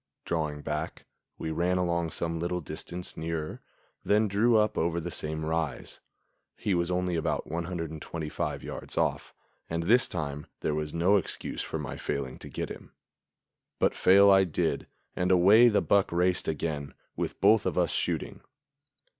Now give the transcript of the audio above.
Drawing back, we ran along some little distance nearer, then drew up over the same rise. He was only about 125 yards off, and this time there was no excuse for my failing to get him; but fail I did, and away the buck raced again, with both of us shooting.